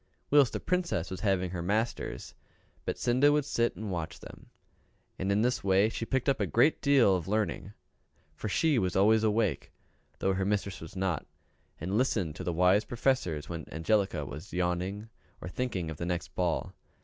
Whilst the Princess was having her masters, Betsinda would sit and watch them; and in this way she picked up a great deal of learning; for she was always awake, though her mistress was not, and listened to the wise professors when Angelica was yawning or thinking of the next ball.